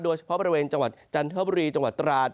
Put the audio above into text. โดยเฉพาะบริเวณจังหวัดจันทบุรีจังหวัดตราด